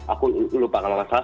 aku lupa kalau salah